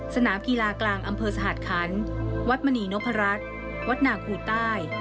สนามกีฬากลางอำเภอสหัสคันวัดมณีนพรัชวัดนาคูใต้